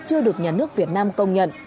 chưa được nhà nước việt nam công nhận